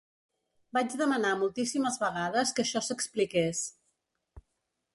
Vaig demanar moltíssimes vegades que això s’expliqués.